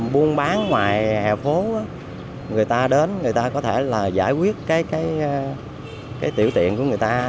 buôn bán ngoài hẹo phố người ta đến người ta có thể giải quyết tiểu tiện của người ta